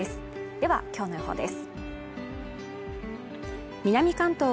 では、今日の予報です。